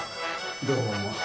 どうも。